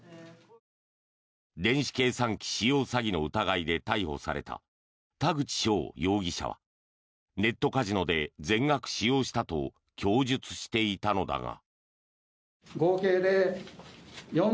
電子計算機使用詐欺の疑いで逮捕された田口翔容疑者はネットカジノで全額使用したと供述していたのだが。